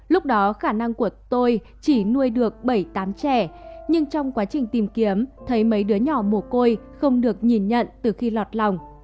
lúc đó khả năng của tôi chỉ nuôi được bảy tám trẻ nhưng trong quá trình tìm kiếm thấy mấy đứa nhỏ mồ côi không được nhìn nhận từ khi lọt lòng